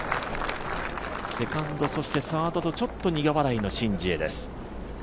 セカンド、そしてサードとちょっと苦笑いのシン・ジエです。